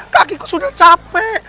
kaki ku sudah capek